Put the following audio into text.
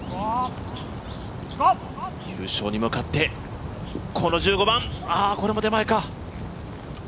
優勝に向かって、この１５番、これも手前か。